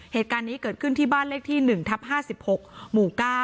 เหตุการณ์นี้เกิดขึ้นที่บ้านเลขที่๑ทับ๕๖หมู่๙